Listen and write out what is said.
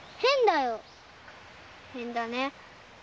変だね。